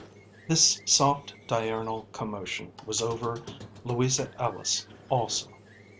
This soft diurnal commotion was over Louisa Ellis also.